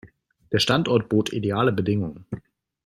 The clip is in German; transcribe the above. Der Standort bot ideale Bedingungen.